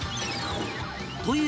という